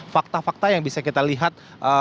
fakta fakta yang bisa kita lihat